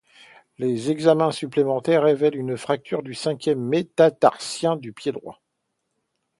Les examens supplémentaires révèlent une fracture du cinquième métatarsien du pied droit.